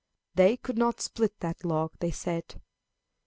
They could not split that log, they said.